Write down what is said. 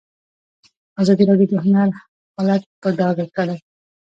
ازادي راډیو د هنر حالت په ډاګه کړی.